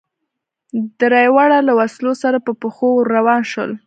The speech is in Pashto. درېواړه له وسلو سره په پښو ور روان شول.